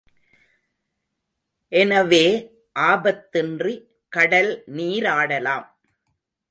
எனவே ஆபத்தின்றி கடல் நீராடலாம்.